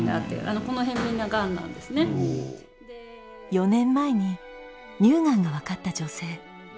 ４年前に乳がんが分かった女性。